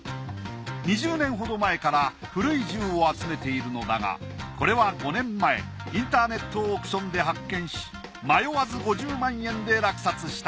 ２０年ほど前から古い銃を集めているのだがこれは５年前インターネットオークションで発見し迷わず５０万円で落札した。